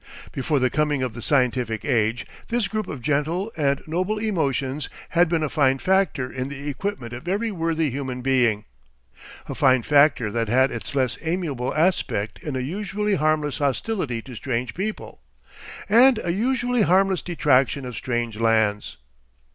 Before the coming of the Scientific Age this group of gentle and noble emotions had been a fine factor in the equipment of every worthy human being, a fine factor that had its less amiable aspect in a usually harmless hostility to strange people, and a usually harmless detraction of strange lands.